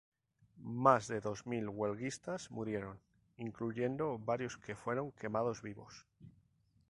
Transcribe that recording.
Más de dos mil huelguistas murieron, incluyendo varios que fueron quemados vivos.